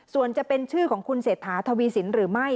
ส่วนจะเป็นชื่อของคุณเศรษฐาทวีสินหรือไม่